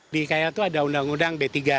di ikl itu ada undang undang b tiga